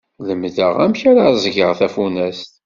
Lemdeɣ amek ara ẓẓgeɣ tafunast.